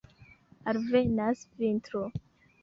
Alvenas vintro.